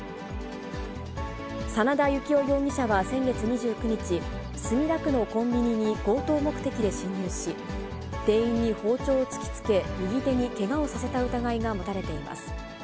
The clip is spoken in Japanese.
真田行男容疑者は先月２９日、墨田区のコンビニに強盗目的で侵入し、店員に包丁を突きつけ、右手にけがをさせた疑いが持たれています。